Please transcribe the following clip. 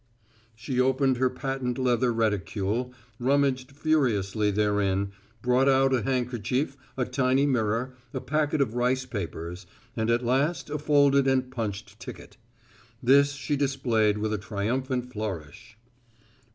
_" She opened her patent leather reticule, rummaged furiously therein, brought out a handkerchief, a tiny mirror, a packet of rice papers, and at last a folded and punched ticket. This she displayed with a triumphant flourish.